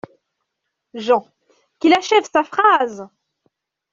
JEAN : Qu’il achève sa phrase !